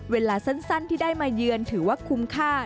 เวลาสั้นที่ได้มาเยือนถือว่าคุ้มค่า